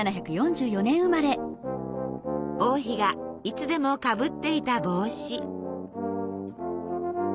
王妃がいつでもかぶっていた帽子。